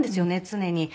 常に。